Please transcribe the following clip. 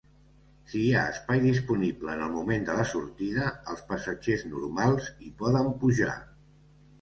Si hi ha espai disponible en el moment de la sortida, els passatgers "normals" hi poden pujar.